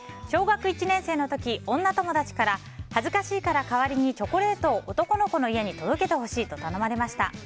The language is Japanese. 小学１年生の時、女友達から恥ずかしいから代わりにチョコレートを男のこの家に届けてほしいと頼まれました。